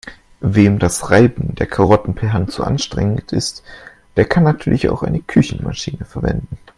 Wem das Reiben der Karotten per Hand zu anstrengend ist, der kann natürlich auch eine Küchenmaschine verwenden.